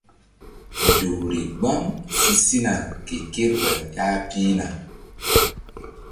Nzukri gbam si sina ke kerɓay ƴah pihna.